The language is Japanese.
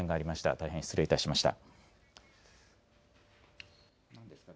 大変失礼いたしました。